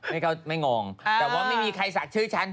ก็ไม่งงแต่ว่าไม่มีใครศักดิ์ชื่อฉัน